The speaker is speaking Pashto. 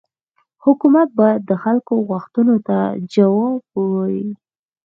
حکومت باید د خلکو غوښتنو ته جواب ووايي.